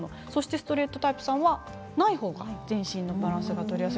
ストレートタイプさんはない方が全身のバランスが取りやすい。